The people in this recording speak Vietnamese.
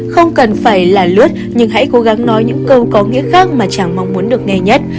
không cần phải là lướt nhưng hãy cố gắng nói những câu có nghĩa khác mà chẳng mong muốn được nghe nhất